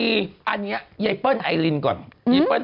ยังไงคะตอนนี้เรื่องราว